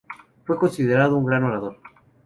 Fue considerado un gran orador.